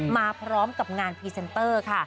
มาพร้อมกับงานพรีเซนเตอร์ค่ะ